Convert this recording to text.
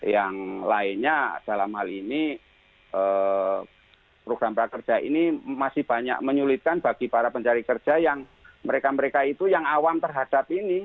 yang lainnya dalam hal ini program prakerja ini masih banyak menyulitkan bagi para pencari kerja yang mereka mereka itu yang awam terhadap ini